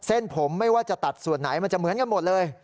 เส้นผมไม่ว่าจะตัดส่วนไหนมันจะเหมือนกันหมดเลย